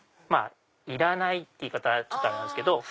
いらないって言い方はあれなんですけど。